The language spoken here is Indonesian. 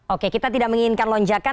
oke kita tidak menginginkan lonjakan